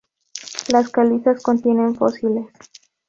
Las calizas contienen fósiles.